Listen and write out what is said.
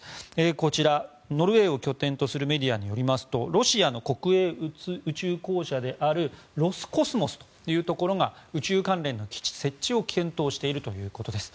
こちら、ノルウェーを拠点とするメディアによりますとロシアの国営宇宙公社であるロスコスモスというところが宇宙関連の基地設置を検討しているということです。